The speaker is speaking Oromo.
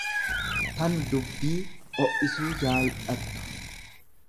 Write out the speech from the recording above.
tan dubbii o'isuu jaal'attu.